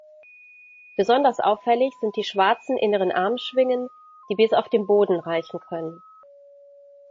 Besonders auffällig sind die schwarzen inneren Armschwingen, die bis auf den Boden reichen können.